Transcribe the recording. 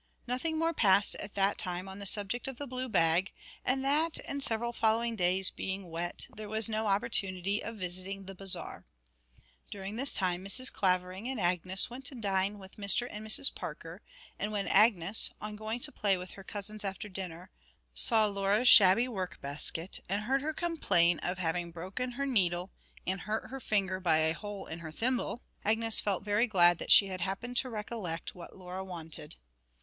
Nothing more passed at that time on the subject of the blue bag, and that and several following days being wet, there was no opportunity of visiting the Bazaar. During this time Mrs. Clavering and Agnes went to dine with Mr. and Mrs. Parker, and when Agnes, on going to play with her cousins after dinner, saw Laura's shabby workbasket, and heard her complain of having broken her needle and hurt her finger by a hole in her thimble, Agnes felt very glad that she had happened to recollect what Laura wanted.